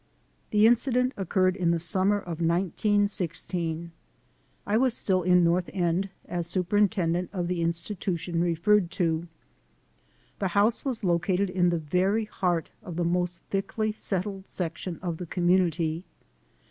The incident occurred in the summer of 1916. I was still in North End as superintendent of the in stitution referred to. The house was located in the very heart of the most thickly settled section of the community.